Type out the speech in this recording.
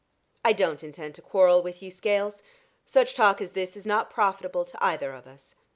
"I don't intend to quarrel with you, Scales. Such talk as this is not profitable to either of us.